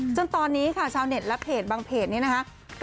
จนตอนนี้ค่ะชาวเน็ตและเพจบางเพจนี้นะคะ